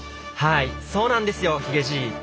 はいそうなんですよヒゲじい。